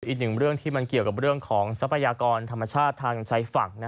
อีกหนึ่งเรื่องที่มันเกี่ยวกับเรื่องของทรัพยากรธรรมชาติทางชายฝั่ง